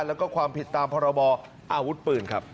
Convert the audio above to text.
แล้วก็ความผิดตามพรบออาวุธปืนครับ